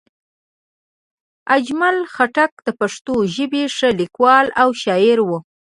اجمل خټک د پښتو ژبې ښه لیکوال او شاعر وو